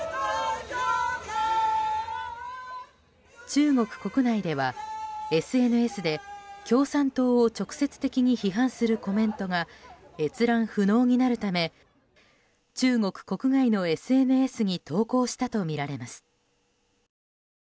中国国内ではＳＮＳで共産党を直接的に批判するコメントが閲覧不能になるため中国国外のＳＮＳに投稿したとみられます。